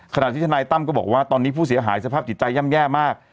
ขณะที่ทนายตั้มก็บอกว่าตอนนี้ผู้เสียหายสภาพจิตใจย่ำแย่มาก